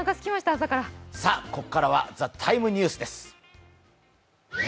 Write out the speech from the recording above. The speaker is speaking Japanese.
ここからは「ＴＨＥＴＩＭＥ，ニュース」です。